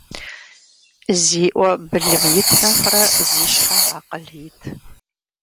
Зи Ӏуэ былым ит нэхърэ зи щхьэ акъыл ит.